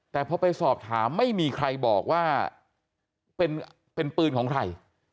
แต่พอไปสอบถามไม่มีใครบอกว่าเป็นปืนของใคร